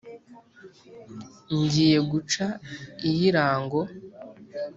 ngiye guca iy' irango